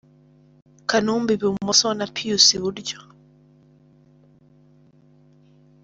Kanumba i Bumoso na Pius i Buryo.